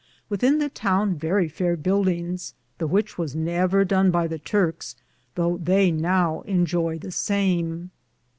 Within the towne verrie fayer buildinges, the which was never done by the Turkes, thoughe they now Inioye (enjoy) the same.